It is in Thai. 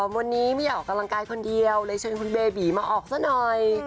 วันนี้ไม่อยากออกกำลังกายคนเดียวเลยเชิญคุณเบบีมาออกซะหน่อย